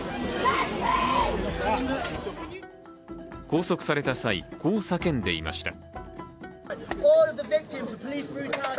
拘束された際、こう叫んでいました。